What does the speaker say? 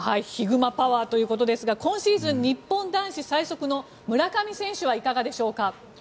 ヒグマパワーですが今シーズン日本男子最速の村上選手はいかがでしょうか。